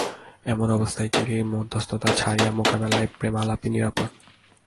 এমন অবস্থায় চিঠির মধ্যস্থতা ছাড়িয়া মোকাবিলায় প্রেমালাপই নিরাপদ।